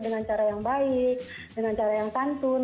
dengan cara yang baik dengan cara yang santun